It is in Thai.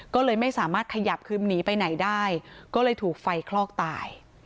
ก็เลยไม่สามารถขยับคือหนีไปไหนได้ก็เลยถูกไฟคลอกตาย